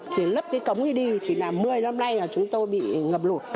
để lấp cái cống đi thì là một mươi năm nay là chúng tôi bị ngập lụt